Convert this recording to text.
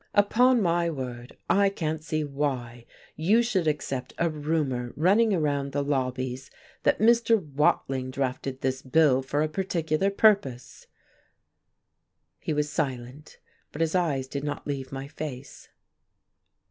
"Upon my word, I can't see why you should accept a rumour running around the lobbies that Mr. Watling drafted this bill for a particular purpose." He was silent. But his eyes did not leave my face.